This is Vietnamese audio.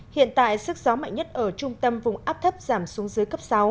hiện tại sức gió mạnh nhất ở trung tâm vùng áp thấp giảm xuống dưới cấp sáu